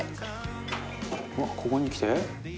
「ここにきて？」